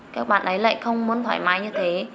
các bạn ấy lại không muốn thoải mái như thế